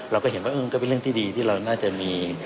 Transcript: เราก็เห็นว่าก็เป็นเรื่องที่ดีที่เราน่าจะมี